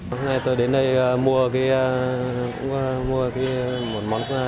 hôm nay tôi đến đây mua một món quà